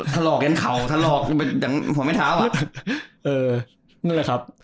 ถลอกอย่างแข่าถลอกอย่างหอมแม่เท้า